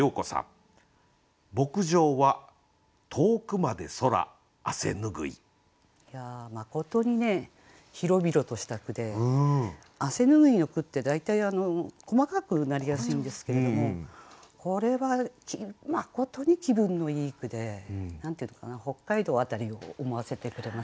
まことに広々とした句で汗拭いの句って大体細かくなりやすいんですけれどもこれはまことに気分のいい句で何て言うのかな北海道辺りを思わせてくれますよね。